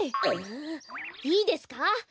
いいですか？